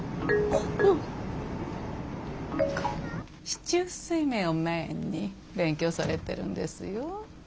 四柱推命をメインに勉強されてるんですよ。